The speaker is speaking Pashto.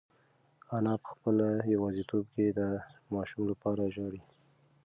انا په خپله یوازیتوب کې د ماشوم لپاره ژاړي.